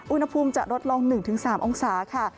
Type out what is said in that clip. อุณหภูมิจะลดลง๑๓องศาค่ะ